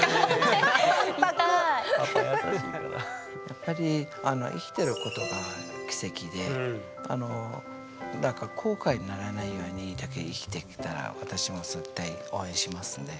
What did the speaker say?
やっぱり生きてることが奇跡でだから後悔にならないようにだけ生きていけたら私も絶対応援しますんで。